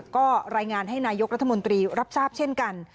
ก็รายงานให้นายกรัฐมนตรีรับทราบเช่นกัน